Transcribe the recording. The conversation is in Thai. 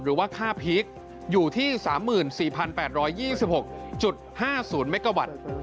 หรือว่าค่าพีคอยู่ที่๓๔๘๒๖๕๐เมกาวัตต์